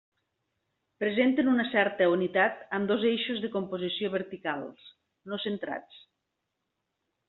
Presenten una certa unitat amb dos eixos de composició verticals, no centrats.